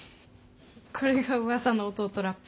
これがうわさの弟ラップ？